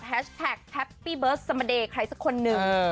แฮปปี้เบิร์สสมดีใครสักคนนึง